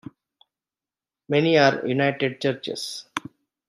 Many are united churches.